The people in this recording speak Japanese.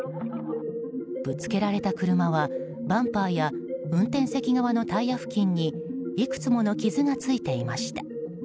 ぶつけられた車は、バンパーや運転席側のタイヤ付近にいくつもの傷がついていました。